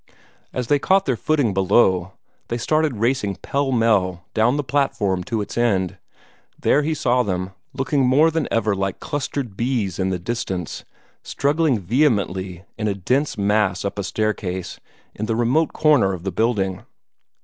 As they caught their footing below, they started racing pell mell down the platform to its end; there he saw them, looking more than ever like clustered bees in the distance, struggling vehemently in a dense mass up a staircase in the remote corner of the building.